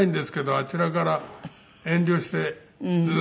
あちらから遠慮してずっと。